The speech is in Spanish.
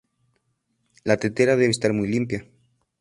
La tetera debe estar muy limpia.